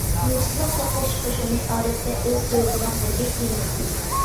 تىنچلىق ساقلاش قوشۇنى ئادەتتە ئۆز دۆلىتىنىڭ ھەربىي كىيىمىنى كىيىدۇ.